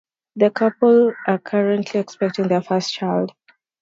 The couple are currently expecting their first child.